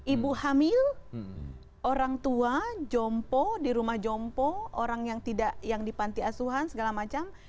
ibu hamil orang tua jompo di rumah jompo orang yang dipanti asuhan segala macam